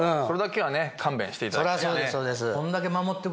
それだけはね勘弁していただいてね。